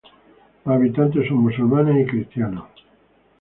Los habitantes son musulmanes y cristianos".